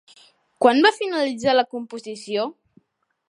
Quan va finalitzar la composició?